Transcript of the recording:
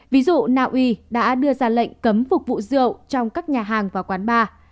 ví dụ naui đã đưa ra lệnh cấm phục vụ rượu trong các nhà hàng và quán bar